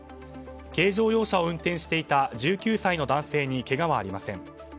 軽乗用車を運転していた１９歳の男性にけがはありません。